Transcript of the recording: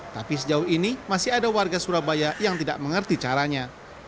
tapi sejauh ini masih ada warga surabaya yang tidak mengerti caranya